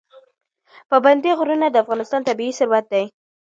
پابندی غرونه د افغانستان طبعي ثروت دی.